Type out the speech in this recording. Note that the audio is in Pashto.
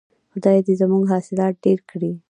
خدای دې زموږ حاصلات ډیر کړي.